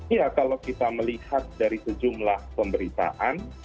iya kalau kita melihat dari sejumlah pemberitaan